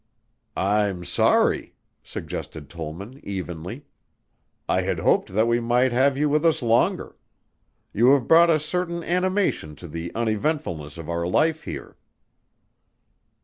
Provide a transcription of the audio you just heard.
"I'm sorry," suggested Tollman evenly. "I had hoped that we might have you with us longer. You have brought a certain animation to the uneventfulness of our life here."